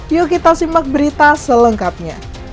yuk kita simak berita selengkapnya